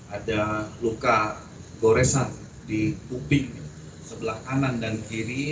ada luka goresan di kuping sebelah kanan dan kiri